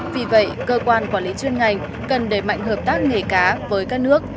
vì vậy cơ quan quản lý chuyên ngành cần đẩy mạnh hợp tác nghề cá với các nước